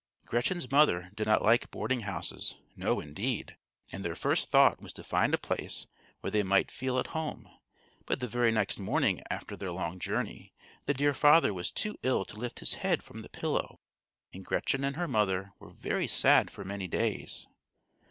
Gretchen's mother did not like boarding houses no, indeed! and their first thought was to find a place where they might feel at home; but the very next morning after their long journey the dear father was too ill to lift his head from the pillow, and Gretchen and her mother were very sad for many days.